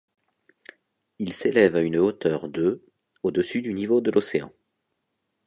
Il s'élève à une hauteur de au-dessus du niveau de l'océan.